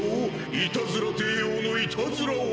いたずら帝王のいたずらは。